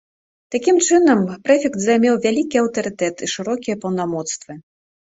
Такім чынам, прэфект займеў вялікі аўтарытэт і шырокія паўнамоцтвы.